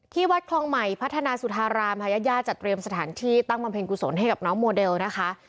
วัดคลองใหม่พัฒนาสุธารามค่ะญาติญาติจัดเตรียมสถานที่ตั้งบำเพ็ญกุศลให้กับน้องโมเดลนะคะ